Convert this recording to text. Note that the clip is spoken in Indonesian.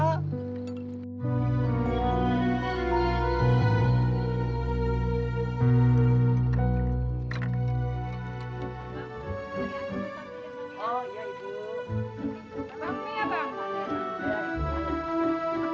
itu ketamu ya bu